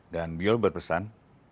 dan biul berpesan